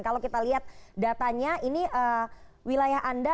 kalau kita lihat datanya ini wilayah anda